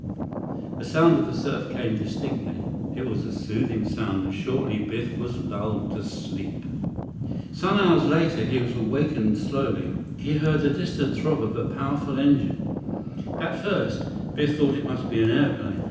The sound of the surf came distinctly. It was a soothing sound, and shortly Biff was lulled to sleep. 104 Some hours later, he was awakened slowly. He heard the distant throb of a powerful engine. At first, Biff thought it must be an airplane.